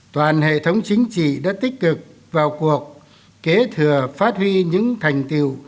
toàn hệ thống chính trị đã tích cực vào cuộc kế thừa phát huy những thành tiệu